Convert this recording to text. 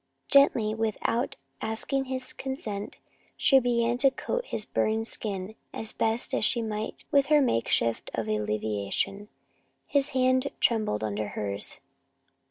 Gently, without asking his consent, she began to coat his burned skin as best she might with her makeshift of alleviation. His hand trembled under hers.